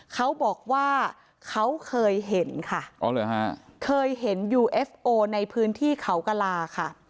เขาบอกว่าเขาเคยเห็นค่ะเคยเห็นยูเอฟโอในพื้นที่เขากลาค่ะ